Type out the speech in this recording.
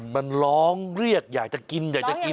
มันร้องเรียกอยากจะกินอยากจะกิน